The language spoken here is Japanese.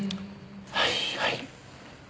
はいはい。